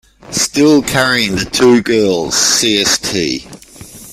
Still carrying the two girls, Cst.